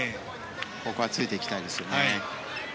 ここはついていきたいですね。